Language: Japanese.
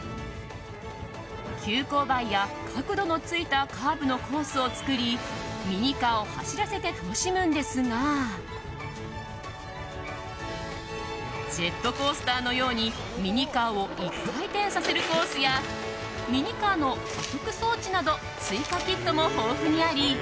急勾配や角度のついたカーブのコースを作りミニカーを走らせて楽しむんですがジェットコースターのようにミニカーを１回転させるコースやミニカーの加速装置など追加キットも豊富にあり